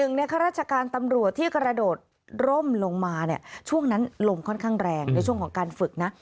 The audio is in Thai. ในข้าราชการตำรวจที่กระโดดร่มลงมาเนี่ยช่วงนั้นลมค่อนข้างแรงในช่วงของการฝึกนะ